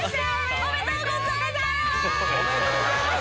おめでとうございます。